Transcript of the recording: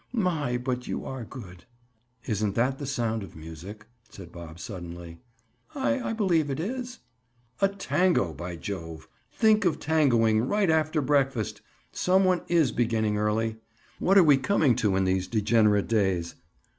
My! but you are good." "Isn't that the sound of music?" said Bob suddenly. "I—I believe it is." "A tango, by jove! Think of tangoing right after breakfast! Some one is beginning early. What are we coming to in these degenerate days?"